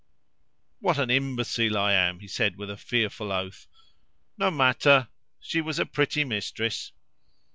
"What an imbecile I am!" he said with a fearful oath. "No matter! She was a pretty mistress!"